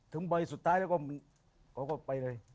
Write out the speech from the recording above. ถึงใบสุดท้ายแล้วก็ไปเลย